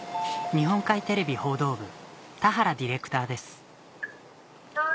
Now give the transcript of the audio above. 日本海テレビ報道部田原ディレクターですはい。